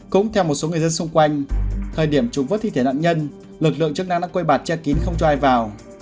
cũng theo một số người dân xung quanh thời điểm trùng vất thi thể nạn nhân lực lượng chức năng đã quây bạt che kín không cho ai vào